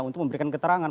untuk memberikan keterangan